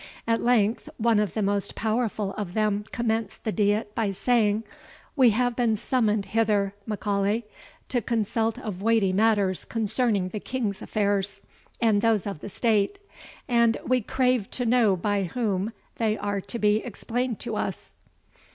At length one of the most powerful of them commenced the diet by saying, "We have been summoned hither, M'Aulay, to consult of weighty matters concerning the King's affairs, and those of the state; and we crave to know by whom they are to be explained to us?"